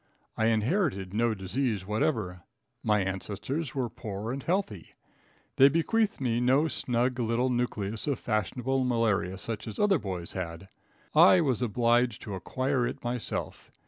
I inherited no disease whatever. My ancestors were poor and healthy. They bequeathed me no snug little nucleus of fashionable malaria such as other boys had. I was obliged to acquire it myself.